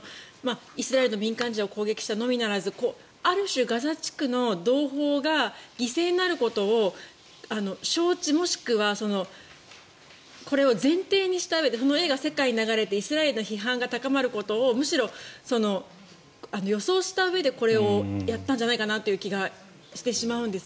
イスラエルの民間人を攻撃したのみならずある種、ガザ地区の同胞が犠牲になることを承知もしくはこれを前提にしたうえでその画が世界に流れてイスラエルへの批判が高まることをむしろ予想したうえでこれをやったんじゃないかなという気がしてしまうんです。